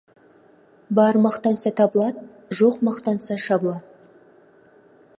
Бар мақтанса табылады, жоқ мақтанса шабылады.